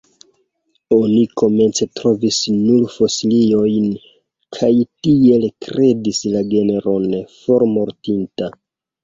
Oni komence trovis nur fosiliojn, kaj tiel kredis la genron formortinta.